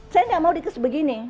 saya nggak mau dikes begini